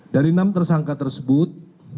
dari enam tersangka tersebut